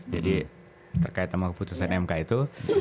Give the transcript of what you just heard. jadi terkait sama keputusan mk itu